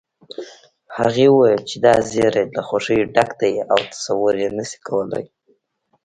هغې وويل چې دا زيری له خوښيو ډک دی او تصور يې نشې کولی